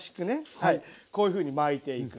こういうふうに巻いていく。